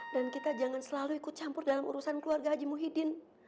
dan kita jangan selalu ikut campur dalam urusan keluarga haji muhyiddin